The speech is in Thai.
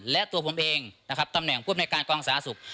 และตัวผมเองตำแหน่งผู้บริการกองสาธารณสุข